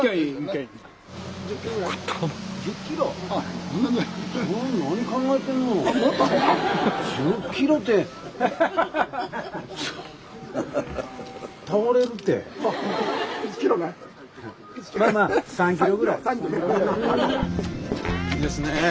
いいですねえ。